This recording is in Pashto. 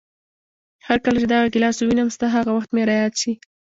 هرکله چې دغه ګیلاس ووینم، ستا هغه وخت مې را یاد شي.